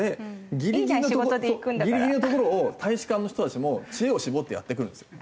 ギリギリのところを大使館の人たちも知恵を絞ってやってくるんですよ。